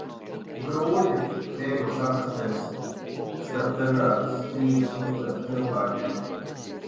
Grūti, viegli saprasties, starp dažādas dzīves uztveres cilvēkiem.